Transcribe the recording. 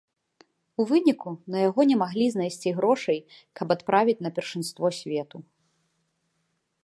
У выніку, на яго не маглі знайсці грошай, каб адправіць на першынство свету.